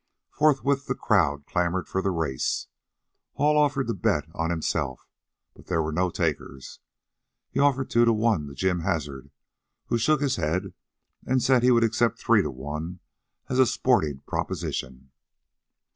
Forthwith the crowd clamored for the race. Hall offered to bet on himself, but there were no takers. He offered two to one to Jim Hazard, who shook his head and said he would accept three to one as a sporting proposition.